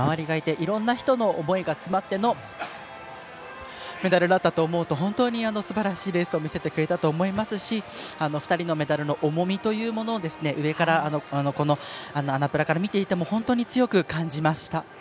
いろんな人の思いが詰まってのメダルだったと思うと本当にすばらしいレースを見せてくれたと思いますし２人のメダルの重みというものを上から、このアナプラから見ていても本当に強く感じました。